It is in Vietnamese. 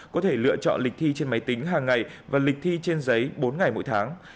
có thể lựa chọn lịch thi trên máy tính hàng ngày và lịch thi trên giấy bốn ngày mỗi tháng